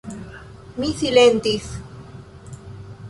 Mi silentis.